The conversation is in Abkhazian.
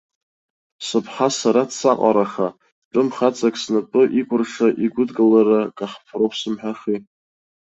Сыԥҳа сара дсаҟараха, тәым хаҵак снапы икәырша игәыдкылара каҳԥроуп сымҳәахи.